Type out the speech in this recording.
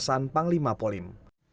kekuasaan panglima polim